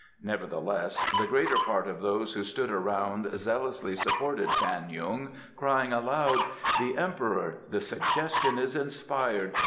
Nevertheless the greater part of those who stood around zealously supported Tan yung, crying aloud: "The Emperor! The suggestion is inspired!